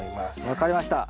分かりました。